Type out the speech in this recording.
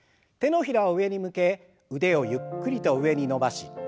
手のひらを上に向け腕をゆっくりと上に伸ばし